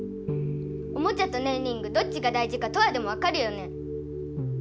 おもちゃとねんリングどっちが大事かトアでもわかるよね？